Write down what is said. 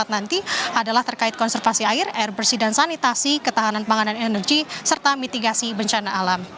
dua puluh empat nanti adalah terkait konservasi air air bersih dan sanitasi ketahanan panganan energi serta mitigasi bencana alam